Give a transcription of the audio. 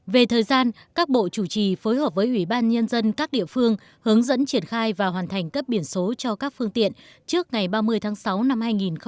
về thời gian các bộ chủ trì phối hợp với ủy ban nhân dân các địa phương hướng dẫn triển khai và hoàn thành cấp biển số cho các phương tiện trước ngày ba mươi tháng sáu năm hai nghìn hai mươi